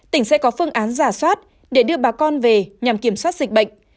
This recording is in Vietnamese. tỉnh sẽ có phương án giả soát để đưa bà con về nhằm kiểm soát dịch bệnh